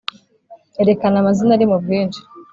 Erekana amazina ari mu bwinshi